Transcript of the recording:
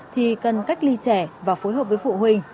thì cần cách ly trẻ và phối hợp với phụ huynh